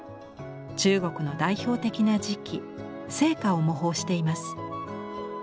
中国の代表的な磁器青花を模倣しています。